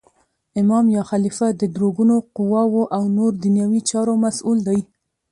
امام یا خلیفه د درو ګونو قوواو او نور دنیوي چارو مسول دی.